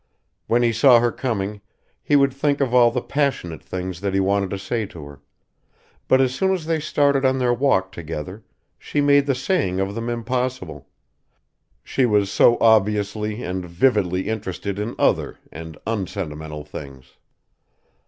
When he saw her coming he would think of all the passionate things that he wanted to say to her; but as soon as they started on their walk together she made the saying of them impossible she was so obviously and vividly interested in other and unsentimental things.